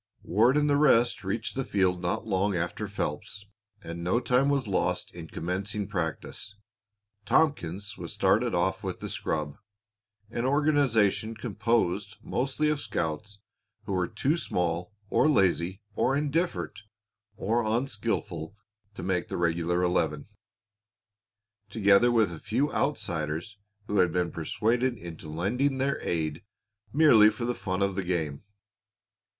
Ward and the rest reached the field not long after Phelps, and no time was lost in commencing practice. Tompkins was started off with the scrub, an organization composed mostly of scouts who were too small or lazy or indifferent or unskilful to make the regular eleven, together with a few outsiders who had been persuaded into lending their aid merely for the fun of the game.